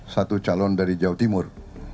satu calon dari jawa timur